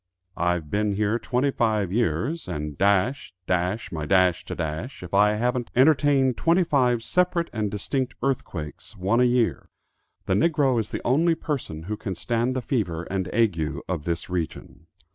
I've been here twenty five years, and dash, dash my dash to dash, if I haven't entertained twenty five separate and distinct earthquakes, one a year. The niggro is the only person who can stand the fever and ague of this region."